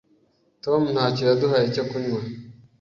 Tom ntacyo yaduhaye cyo kunywa.